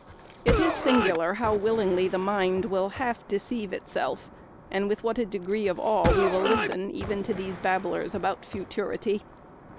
It is singular how willingly the mind will half deceive itself, and with what a degree of awe we will listen even to these babblers about futurity.